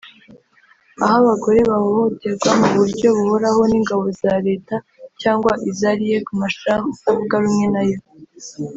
aho abagore bahohoterwa mu buryo buhoraho n’ingabo za Leta cyangwa iza Riek Machar utavuga rumwe na yo